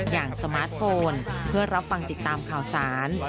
สมาร์ทโฟนเพื่อรับฟังติดตามข่าวสาร